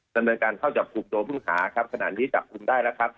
ดำเนินการเข้าจับกลุ่มตัวผู้ต้องหาครับขณะนี้จับกลุ่มได้แล้วครับ